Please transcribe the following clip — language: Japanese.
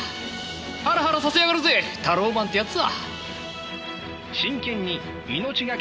ハラハラさせやがるぜタローマンってやつは。